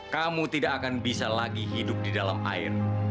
kamu tidak akan bisa lagi hidup di dalam air